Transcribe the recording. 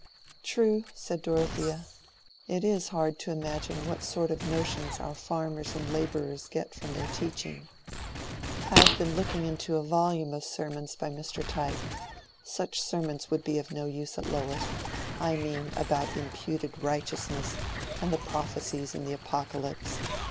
"True," said Dorothea. "It is hard to imagine what sort of notions our farmers and laborers get from their teaching. I have been looking into a volume of sermons by Mr. Tyke: such sermons would be of no use at Lowick—I mean, about imputed righteousness and the prophecies in the Apocalypse.